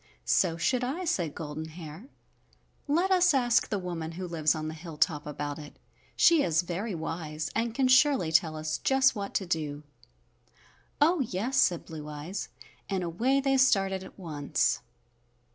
"So should I," said Golden Hair. "Let us ask the woman who lives on the hilltop about it. She is very wise and can surely tell us just what to do." "Oh, yes," said Blue Eyes, and away they started at once.